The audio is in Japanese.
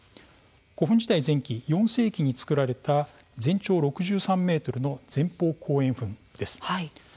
古墳時代前期、４世紀に造られた全長６３ｍの前方後円墳です。